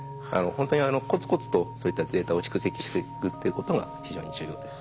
ほんとにコツコツとそういったデータを蓄積していくっていうことが非常に重要です。